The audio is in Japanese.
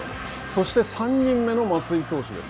そして３人目の松井投手です。